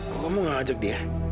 kok kamu nggak ajak dia